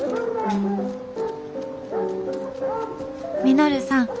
「稔さん。